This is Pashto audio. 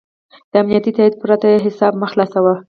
د امنیتي تایید پرته حساب مه خلاصوه.